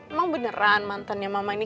emang beneran mantan ya mama ini